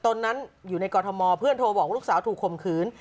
นนั้นอยู่ในกรทมเพื่อนโทรบอกว่าลูกสาวถูกข่มขืน